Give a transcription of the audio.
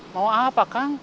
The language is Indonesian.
mau apa kang